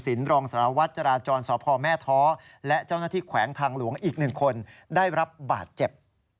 อีกหนึ่งคนได้รับบาดเจ็บ